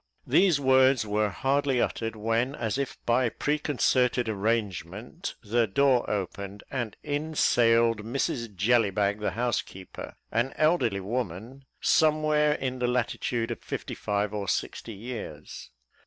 These words were hardly uttered, when, as if by preconcerted arrangement, the door opened, and in sailed Mrs Jellybag, the housekeeper, an elderly woman, somewhere in the latitude of fifty five or sixty years.